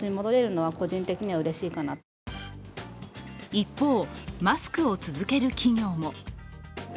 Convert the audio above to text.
一方、マスクを続ける企業も。